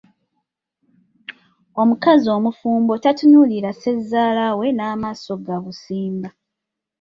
Omukazi omufumbo tatunuulira Ssezaala we na maaso ga busimba.